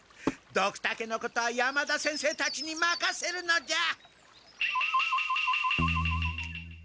ドクタケのことは山田先生たちにまかせるのじゃ！